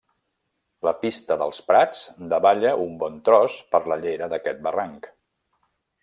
La Pista dels Prats davalla un bon tros per la llera d'aquest barranc.